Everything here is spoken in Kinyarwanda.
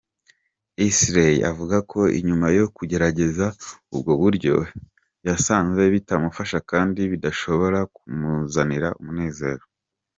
Isley avuga ko inyuma yo kugerageza ubwo buryo, yasanze bitamufasha kandi bidashobora kumuzanira umunezero.